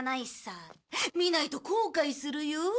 見ないと後悔するよ。